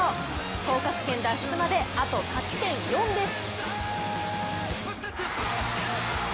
降格圏脱出まであと勝ち点４です。